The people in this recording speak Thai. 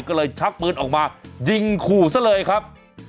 ก็เลยชักปืนออกมายิงขู่ซะเลยครับ